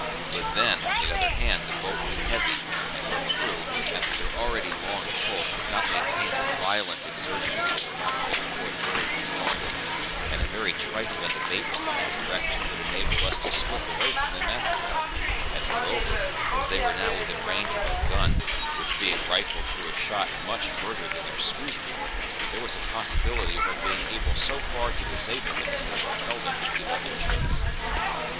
But then, on the other hand, the boat was heavy, and her crew, after their already long pull, could not maintain the violent exertions they were now putting forth very much longer; and a very trifling abatement in that direction would enable us to slip away from them after all; and, moreover, as they were now within range of our gun (which, being rifled, threw a shot much farther than their smooth bore), there was a possibility of our being able so far to disable them as to compel them to give up the chase.